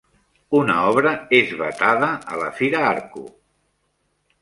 Una obra és vetada a la fira Arco